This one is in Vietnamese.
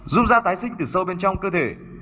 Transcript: dung da tái sinh từ sâu bên trong cơ thể